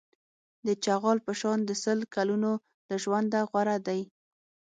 د چغال په شان د سل کلونو له ژونده غوره دی.